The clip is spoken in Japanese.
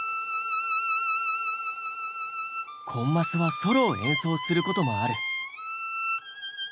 コンマスはソロを演奏することもある。